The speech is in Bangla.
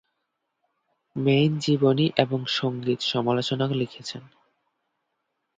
মেইন জীবনী এবং সঙ্গীত সমালোচনা লিখেছেন।